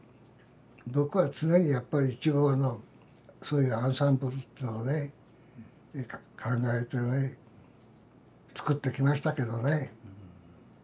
僕は常にやっぱり１号のそういうアンサンブルっていうのをね考えてね作ってきましたけどね。